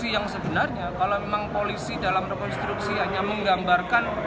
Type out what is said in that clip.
ya itu benar